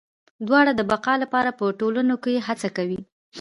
دواړه د بقا لپاره په ټولنو کې هڅه کوي.